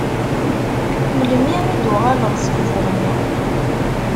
Melmi i d-tuɣaleḍ seg Buɣni?